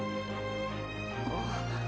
あっ。